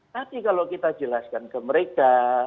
tapi kalau kita jelaskan ke mereka